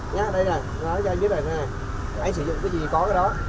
nha đây nè nói cho anh biết rồi nè anh sử dụng cái gì có cái đó